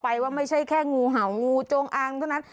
ว่าไม่ใช่แค่งูเห่างูจงอางเท่านั้น